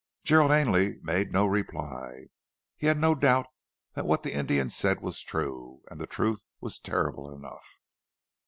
Gerald Ainley made no reply. He had no doubt that what the Indian said was true, and the truth was terrible enough.